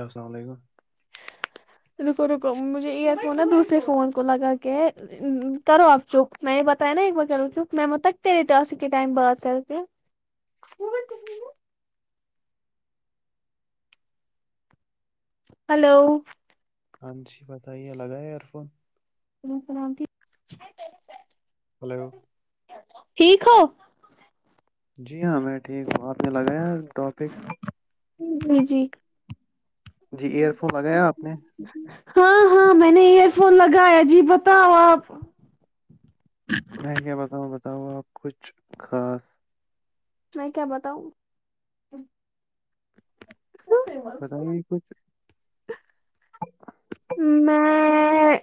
السلام علیکم رکو رکو مجھےار [inaudible] وہ نا دوسرے فون کو لگا کے ہیں کرو آپ چپ میں نے بتایا نا ایک بار کرو چک میں میں متنا تیرے ٹاسک کے ٹائم بات کر کے ہلو۔ ہاں جی بتائیے لگا ہے ایئر فون۔ وعلیکم سلام یک ہلو۔ ٹھیک ہو۔ جی ہاں میں ٹھیک ہوں آپ نے لگایا ٹاپک۔ جی جی۔ جی ایئر فون لگایا آپ نے ہاں ہاں میں نے یہ۔ فون لگایا جی بتاؤ آپ۔ میں کیا بتاؤں بتاؤں آپ کچھ خاص۔ میں کیا بتاؤں۔ بتائیے کچھ۔ میں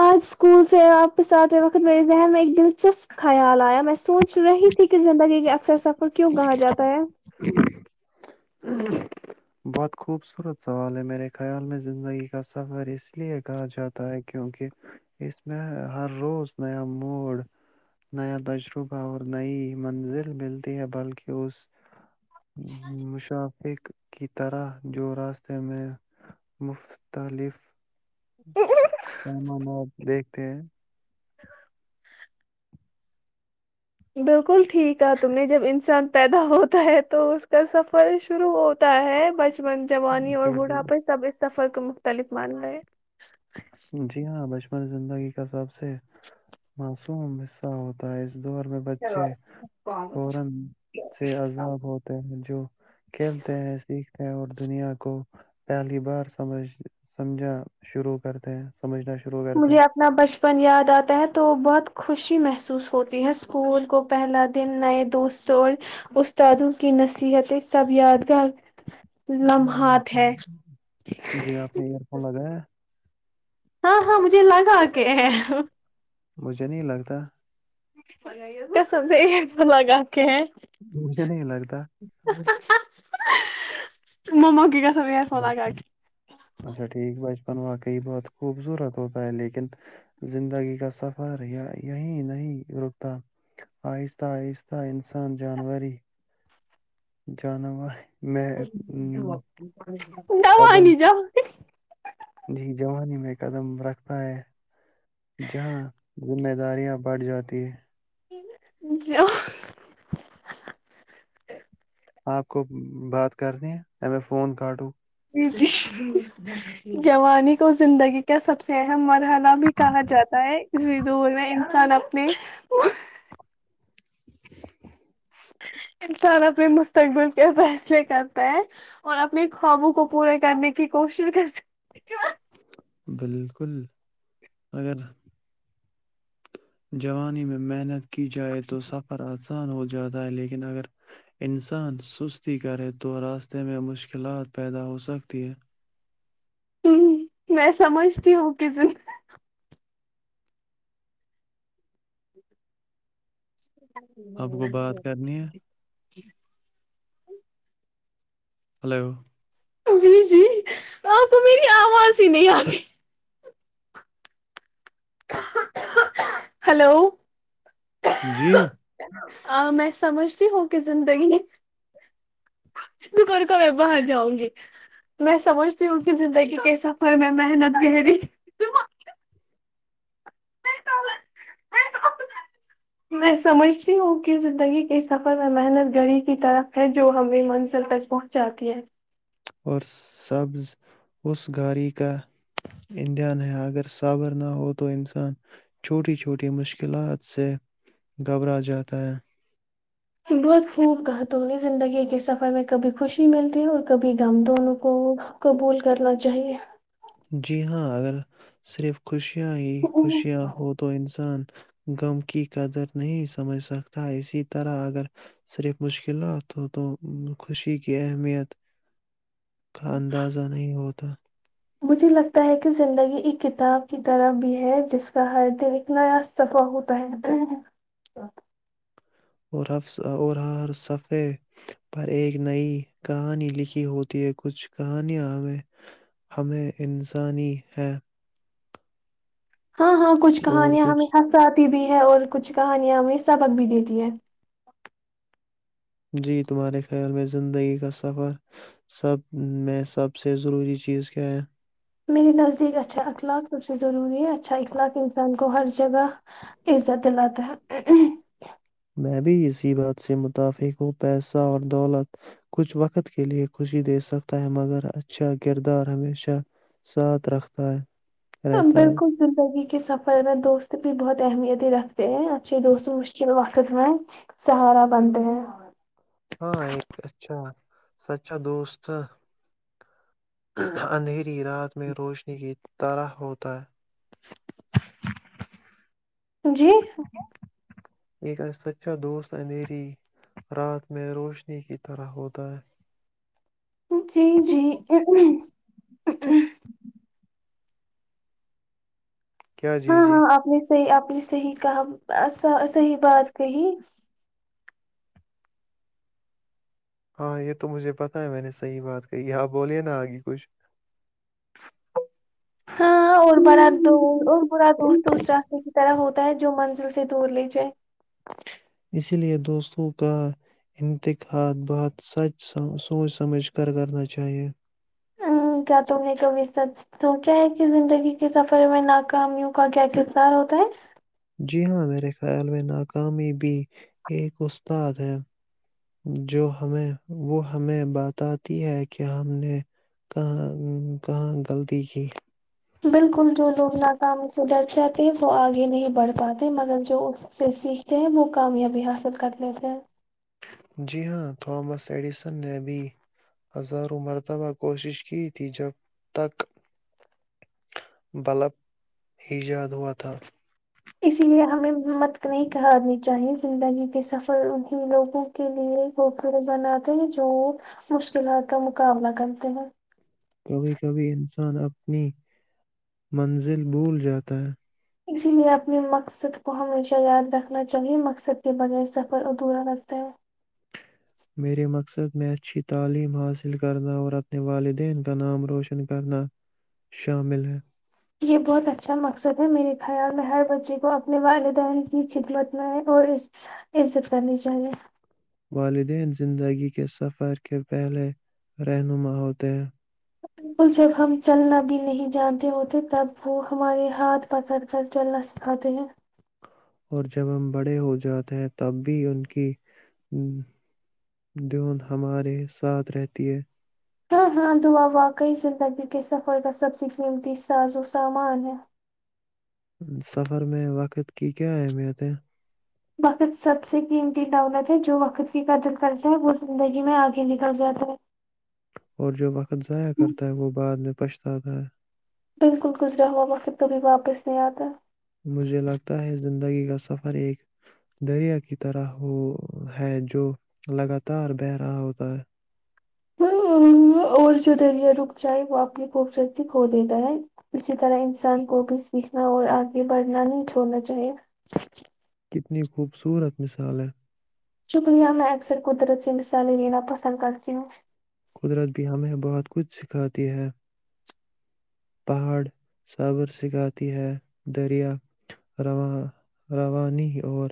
آج اسکول سے واپس آتے وقت میرے ذہن میں ایک دلچسپ خیال آیا میں سوچ رہی تھی کہ زندگی کے اکثر سب۔ اور کیوں کہاں جاتا ہے۔ بہت خوبصورت سوال ہے میرے خیال میں زندگی کا سفر اس لیے کہا جاتا ہے کیونکہ اس میں ہر روز نیا موڈ نیا تجربہ اور نئی منزل ملتی ہے بلکہ اس مشافق۔ کی طرح جو راستے میں مختلف سامانات دیکھتے ہیں۔ بالکل ٹھیک ہے تم نے جب انسان پیدا ہوتا ہے تو اس کا سفر شروع ہوتا ہے بچ۔ جوانی اور جی جی بوڑھاپے سب اس سفر۔ کو مختلف ماننا ہے [inaudible] جی ہاں بچ۔ اپنی زندگی کا سب۔ سے ب [inaudible] حصہ ہوتا ہے دور میں بچے فورا سے عذاب ہوتے ہیں جو [inaudible] کھیلتے ہیں س اور دنیا کو پہلی بار سمجھ سمجھا شروع کرتے ہیں سمجھنا شروع کرتے مجھے ہیں اپنا بچپن یاد آتا ہوتا تو بہت خوشی محسوس ہوتی ہے اسکول کو پہلا دن نئے دوست اور استادوں کی نصیحتیں سب یادگار لمحات ہے ہچ جی آپ نے ایئر فون لگایا ہاں ہاں مجھے لگا کے ہیں مجھے نہیں لگتا کس سے لگا کہ ہے مجھے نہیں لگتا مما کی کا ہمیں یعرفون لگا کے ہے ن واقعی بہت خوبصورت ہوتا ہے لیکن زندگی کا سفر یہی نہیں رکتا آہستہ آہستہ انسان جانوری جانور میں ام، د نہیں جاؤ ج جوانی میں قدم رکھتا ہے جہاں ذمہ داریاں بڑھ جاتی ہے جو آپ کو بات کرنی ہے میں فون کاٹوں جی جوانی کو زندگی کا سب سے اہم مرحلہ بھی کہا جاتا ہے اسی دور میں انسان اپنے انسان اپنے مستقبل کے فیصلے کرتا ہے اور اپنی خوابوں کو پورے کرنے کی کوشش کر سکتے ہیں بالکل اگر جانی میں محنت کر اکس جائے تو سفر آ آسان ہو جاتا ہے لیکن اگر انسان سستی کرے تو راستے میں مشکلات پیدا ہو سکتی ہے ہ میں سمجھتی ہوں کزن آپ کو بات کرنی ہے ہلو جی جی آپ میری آواز ہی نہیں آتی ہلو جی میں سمجھتی ہوں کہ زندگیک کو میں باہر جاؤں گی میں سمجھتی ہوں کہ زندگی کے سفر میں محنت کر رہی میں سمجھتی ہوں کہ زندگی کے سفر میں محنت گھڑی کی طرف ہے جو ہمیں منزل تک پہنچاتی ہے اور سبز اس گااری کا امدھیان ہے اگر صابر نہ ہو تو انسان چھوٹی چھوٹی مشکلات سے گھبرا جاتا ہے بہت خوب گاتنی زندگی کے سفر میں کبھی خوشی ملتی ہے اور کبھی غم دونوں کو قبول کرنا چاہیے جی ہاں اگر صرف خوشی خوشیاں ہی خوشیاں ہو تو انسان غم کی قدر نہیں سمجھ سکتا اسی طرح اگر صرف مشکلات ہو تو خوشی کی اہمیت کا اندازہ نہیں ہوتا مجھے لگتا ہے کہ زندگی ایک کتاب کی طرح بھی ہے جس کا ہر دن ایک نیا صفحہ ہوتا ہے اور اور ہر صفحے پر ایک نئی کہانی لکھی ہوتی ہے کچھ کہانیاں ہمیں ہمیں انسانی ہے ہاں ہاں کچھ اور کہانیاں کچھ ہمییںش ساتھ بھی ہے اور کچھ کہانیاں ہمیں سبق بھی دیتی ہے جی تمہارے خیال میں زندگی کا سفر سب میں سب سے ضروری چیز کیا ہے میرے نزدیک اچھا اخلاق سب سے ضروری اچھا اخلاق انان کو ہر جگہ عزت دلاتا ہے میں بھی اسی بات سے متفق ہوں پیسہ اور دولت کچھ وقت کے لیے خوشی دے سکتا ہے مگر اچھا کردار ہمیشہ ساتھ رکھتا ہے ہ رہتا ہے بالکل زندگی کے سفر میں دوست بھی بہت اہمیت ہی رکھتے ہیں اچھے دوست و مشکل وقت میں سہارا بنتے ہیں ہاں ایک اچھا سچا دوست اندھیری رات میں روشنی کی تارح ہوتا ہے جی [unintelligible] ایک سچا دوست ہے میری رات میں روشنی کی طرح ہوتا ہے جی جی کیا جی ہاں جی ہاں آپ نے صحی آپ نے صحی کام [unintelligible] س صحی بات کہی ہاں یہ تو مجھے پتا ہے میں نے صحیح بات کہی ہاں بولیے نا آگی کچھ ہاں اور بڑا دوست اور برا دوست اس راستے کی طرف ہوتا ہوتا ہے جو منزل سے دور ل جائے اسی لیے دوستوں کا انتخاد بہت سوچ سمجھ کر کرنا چاہیئے ہ کیا تم نے کبھی سچ سوچا ہے کہ زندگی کے سفر میں ناکامیوں کا کیا کردار ہوتا ہے جی ہاں میرے خیال میں ناکامی بھی ایک استاد ہے جو ہمیں وہ ہمیں بتاتی ہے کہ ہم نے کہاں کہاں غلطی کی بالکل جو لوگ ناکام سے ڈر جاتے ہیں وہ آگے نہیں بڑھ پاتے مگر جو اس سے سیکھتے ہیں وہ کامیابی حاصل کر لیتے ہیں جی ہاں تھامس ایڈیسن نے ابھی ہزاروں مرتبہ کوشش کی تھی جب تک بلب ایجاد ہوا تھا اسی لیے ہمیں ہمت نہیں کرنی چاہییں زندگی کے سفر ان لوگوں کے لیے گوور بناتے ہیں جو مشکلات کا مقابلہ کرتے ہیں کبھی کبھی ان اپنی منزل بھول جاتا ہے اسی لیئے اپنے مقصد کو ہمیشہ یاد رکھنا چاہی، مقصد کے بغیر سفر اوردورا رتے ہیں میرے مقصد میں اچھی تعلیم حاصل کرنا اور اپنے والدین کا نام روشن کرنا شامل ہے یہ بہت اچھا مقصد ہے میرے خیال میں ہر بچے کو اپنے والدین کی خدمت میں اور عزت کرنی چاہیے والدین زندگی کے سفر کے پہلے رہنما ہوتے ہیں بکل جب ہم چلنا بھی نہیں جانتے ہوتے تب وہ ہمارے ہاتھ پکڑ کر چلنا سکھاتے ہیں اور جب ہم بڑے ہو جاتے ہیں تب بھی ان کی دون ہمارے ساتھ رہتی ہے ہاں ہاں دعا وا گئی زندہ بھی گ صفائیبہ سبزمتی سازو سامان ہے سفر میں وقت کی کیا اہمیت ہے وقت سب سے قیمتی دولت ہے جو وقت کی قدر کرتا ہے وہ زندگی میں آگے نکل جاتا ہے اور جو وقت ضائع کرتا ہے وہ بعد میں پچھتاتا ہے بالکل گزرا ہوا وہا وقت کبھی واپس نہیں آتا مجھے لگتا ہے زندگی کا سفر ایک دریا کی طرح ہو ہے جو لگاتار بہہ رہا ہوتا ہے اور جو دریا رک جائے وہ آپنی خوبصورتی کھو دیتا ہے اسی طرح انسان کو بھی سیکھنا اور آگے بڑھنا نہیں چھوڑنا چاہیے اتنی خوبصورت مثال ہے شکریہ میں اکثر قدرت سے مثالیں لینا پسند کرتی ہوں قدرت بھی ہمیں بہت کچھ سکھاتی ہے پہاڑ صبر سکھاتی ہے دریا روانی اور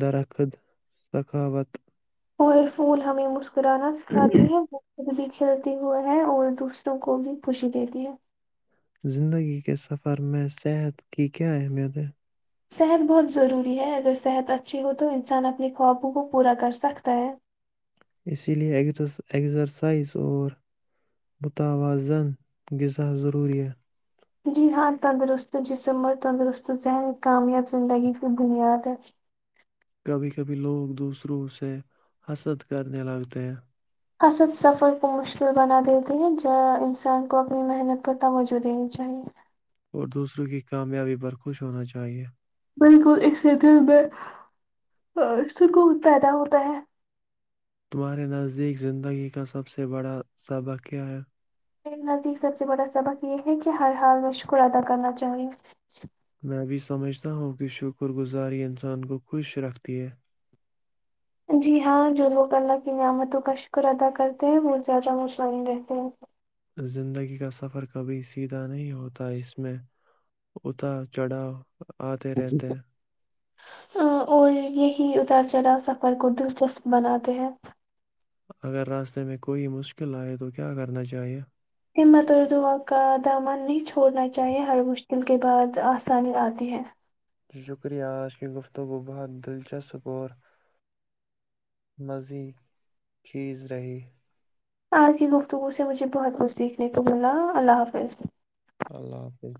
درخت سکھا وت اور پھول ہمیں مس کرانا سکھاتی ہے وہ خود بھی کھلتی ہوئے ہیں اور دوسروں کو بھی خوشی دیتی ہے زندگی کے سفر میں صحت کی کیا اہمیت ہے صحت بہت ضروری ہے اگر صحت اچھی ہو تو انسان اپنے خوابوں کو پورا کرسکتا ہے اسی لیے ایکسرسائز اور متوازن غذا ضروری ہے جی ہاں تندرست جسم اور تندرست ذہن کامیاب زندگی کی بنیاد ہے کبھی کبھی لوگ دوسروں سے حسد کرنے لگتے ہیں حسد سفر کو مشکل بنا دیتے ہیں ج انسان کو اپنی محنت پر توجہ دینی چاہیے اور دوسروں کی کامیابی پر خوش ہونا چاہیے بالکل اس سے دل میں سکون پیدا ہوتا ہے تمہارے نزدیک زندگی کا سب سے بڑا سبق کیا ہے میرے نزدیک سب سے بڑا سبق یہ ہے کہ ہر حال میں شکر ادا کرنا چاہیے میں بھی سمجھتا ہوں کہ شکر گزاری انسان کو خوش رکھتی ہے جی ہاں جو لوگ اللہ کی نعمتوں کا شکر ادا کرتے ہیں وہ زیادہ متمئن رہتے ہیں زندگی کا سفر کبھی سیدھا نہیں ہوتا اس میں اتار چڑھاو آتے رہتے ہے اور یہی اتار چڑھاو سفر کو دلچسپ بناتے ہیں اگر راستے میں کوئی مشکل آئے تو کیا کرنا چاہیے ہمت اور دعا کا دامن نہیں چھوڑنا چاہیے ہر مشکل کے بعد آسانی آتی ہے شکریہ آج کی گفتگو کو بہت دلچسپ اور مزی خیز رہی آج کی گفتگو سے مجھے بہت کچھ سیکھنے کو ملا اللہ حافظ اللہ حافظ